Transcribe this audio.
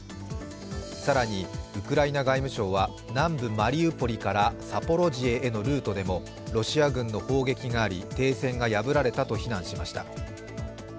更に、ウクライナ外務省は南部マリウポリからザポロジエへのルートでもロシア軍の砲撃があり、停戦が破られたと非難しました。